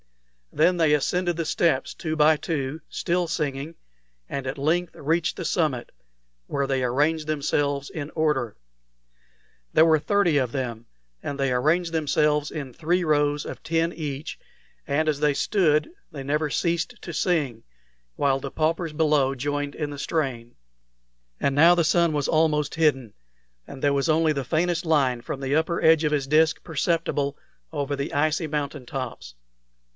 Then they ascended the steps, two by two, still singing, and at length reached the summit, where they arranged themselves in order. There were thirty of them and they arranged themselves in three rows of ten each, and as they stood they never ceased to sing, while the paupers below joined in the strain. And now the sun was almost hidden, and there was only the faintest line from the upper edge of his disk perceptible over the icy mountain tops.